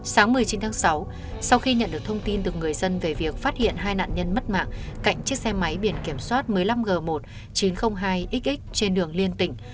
sáng một mươi chín tháng sáu sau khi nhận được thông tin từ người dân về việc phát hiện hai nạn nhân mất mạng cạnh chiếc xe máy biển kiểm soát một mươi năm g một chín trăm linh hai xx trên đường liên tỉnh